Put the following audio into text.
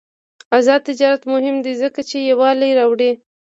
آزاد تجارت مهم دی ځکه چې یووالي راوړي.